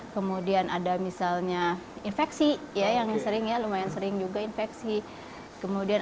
kemudian ada hipoksia jadi ya penurunan kadar oksigen